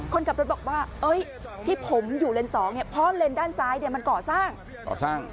คนขับรถบอกว่าที่ผมอยู่เลน๒เพราะเลนด้านซ้ายมันก่อสร้าง